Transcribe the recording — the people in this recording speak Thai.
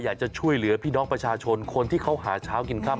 อยากจะช่วยเหลือพี่น้องประชาชนคนที่เขาหาเช้ากินค่ำ